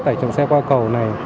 tải trọng xe qua cầu này